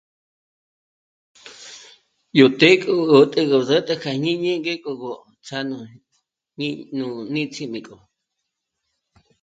Yo té k'ogó tégo sä́tä k'a jñíñi ngeko go sano ní nù nítsjimi kjo